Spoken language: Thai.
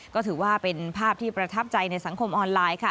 ก็ถือว่าเป็นภาพที่ประทับใจในสังคมออนไลน์ค่ะ